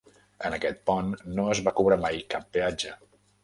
En aquest pont no es va cobrar mai cap peatge.